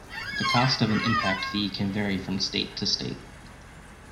The cost of an impact fee can vary from state to state.